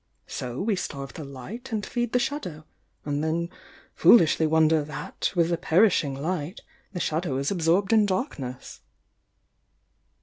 So we starve the Light and feed the Shadow, and then foolishly wonder that, with the perishing Light, the Shadow is absorbed in darkness."